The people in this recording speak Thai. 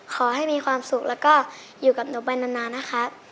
ขอให้มีความสุขแล้วก็อยู่กับหนูไปนานนะครับ